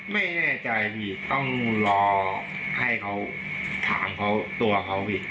ไม่แน่ใจพี่ต้องรอให้เขาถามเขาตัวเขาอีก